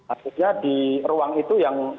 akhirnya di ruang itu yang